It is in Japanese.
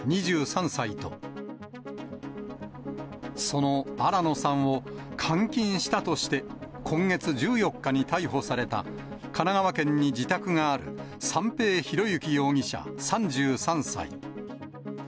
２３歳と、その新野さんを監禁したとして今月１４日に逮捕された、神奈川県に自宅がある、三瓶博幸容疑者３３歳。